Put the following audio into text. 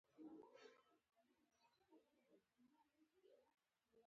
د فبروري په نولسمه باراني لمباوې وې.